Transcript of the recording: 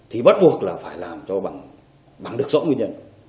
thì bắt buộc là phải làm cho bằng được rõ nguyên nhân